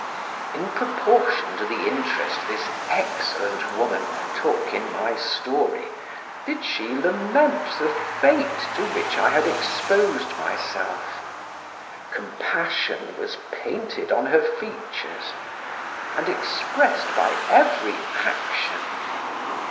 In proportion to the interest this excellent woman took in my story, did she lament the fate to which I had exposed myself; compassion was painted on her features, and expressed by every action.